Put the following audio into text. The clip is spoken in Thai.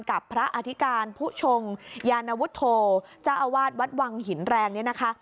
กับพระอธิการผู้ชงยานวุฒโธเจ้าอาวาสวัดวังหินแรงเนี่ยนะคะ